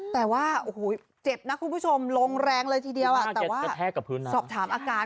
แต่ว่าเจ็บนะคุณผู้ชมลงแรงเลยทีเดียวแต่ว่าสอบถามอาการ